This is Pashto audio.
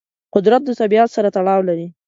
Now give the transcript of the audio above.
قدرت د طبیعت سره تړاو لري.